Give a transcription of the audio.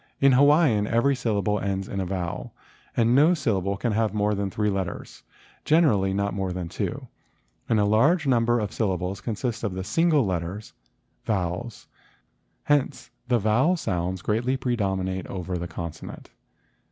In Hawaiian every syllable ends in a vowel and no syllable can have more than three letters, generally not more than two and a large number of syllables consist of single letters— vowels. Hence the vowel sounds greatly predominate over the consonant.